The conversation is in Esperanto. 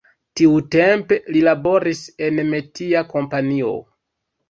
Tiutempe li laboris en metia kompanio.